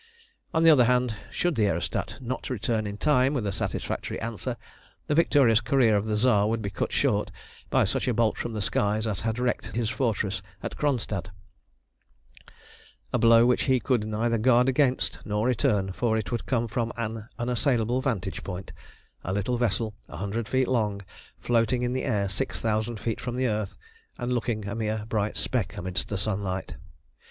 On the other hand, should the aerostat not return in time with a satisfactory answer, the victorious career of the Tsar would be cut short by such a bolt from the skies as had wrecked his fortress at Kronstadt, a blow which he could neither guard against nor return, for it would come from an unassailable vantage point, a little vessel a hundred feet long floating in the air six thousand feet from the earth, and looking a mere bright speck amidst the sunlight.